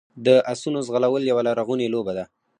د اسونو ځغلول یوه لرغونې لوبه ده.